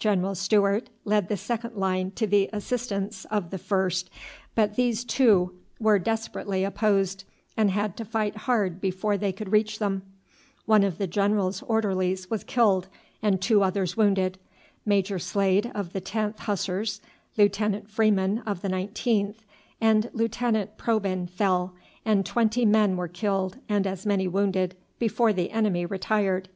General Stewart led the second line to the assistance of the first, but these too were desperately opposed, and had to fight hard before they could reach them. One of the general's orderlies was killed and two others wounded. Major Slade of the 10th Hussars, Lieutenant Freeman of the 19th, and Lieutenant Probyn fell, and twenty men were killed and as many wounded before the enemy retired.